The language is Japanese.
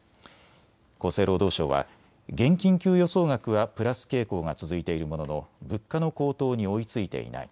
厚生労働省は現金給与総額はプラス傾向が続いているものの物価の高騰に追いついていない。